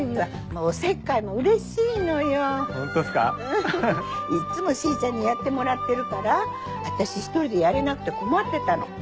うんいっつもしいちゃんにやってもらってるから私１人でやれなくて困ってたの。